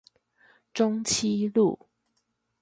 中棲路